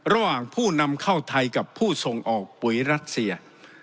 ระหว่างผู้นำเข้าไทยกับผู้ส่งออกปุ๋ยรัสเซีย